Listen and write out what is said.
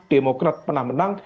demokrat pernah menang